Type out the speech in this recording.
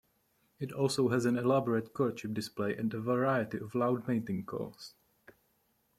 It also has an elaborate courtship display and a variety of loud mating calls.